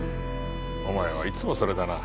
お前はいつもそれだな。